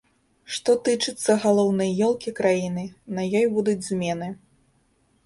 Што тычыцца галоўнай ёлкі краіны, на ёй будуць змены.